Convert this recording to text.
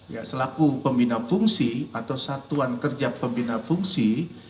ya selaku pembina fungsi atau satuan kerja pembina fungsi